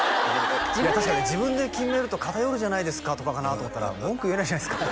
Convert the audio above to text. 自分で確かに自分で決めると偏るじゃないですかとかかなと思ったら「文句言えないじゃないですか」